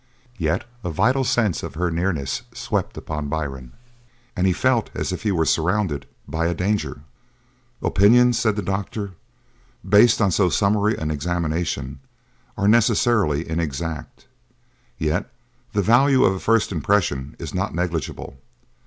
Yet a vital sense of her nearness swept upon Byrne, and he felt as if he were surrounded by a danger. "Opinions," said the doctor, "based on so summary an examination are necessarily inexact, yet the value of a first impression is not negligible.